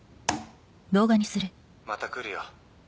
「また来るよ